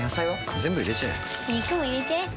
全部入れちゃえ肉も入れちゃえ